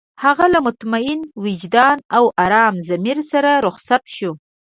هغه له مطمئن وجدان او ارام ضمير سره رخصت شو.